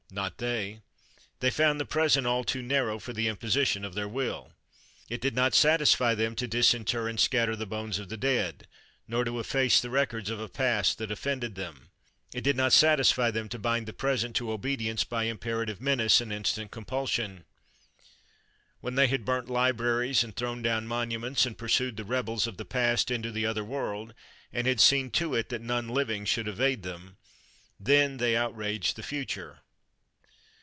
Not they. They found the present all too narrow for the imposition of their will. It did not satisfy them to disinter and scatter the bones of the dead, nor to efface the records of a past that offended them. It did not satisfy them to bind the present to obedience by imperative menace and instant compulsion. When they had burnt libraries and thrown down monuments and pursued the rebels of the past into the other world, and had seen to it that none living should evade them, then they outraged the future.